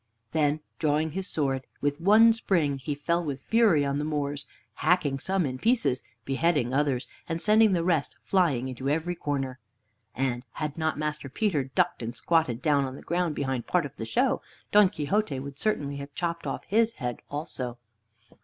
Then, drawing his sword, with one spring he fell with fury on the Moors, hacking some in pieces, beheading others, and sending the rest flying into every corner. And had not Master Peter ducked and squatted down on the ground behind part of the show, Don Quixote would certainly have chopped off his head also.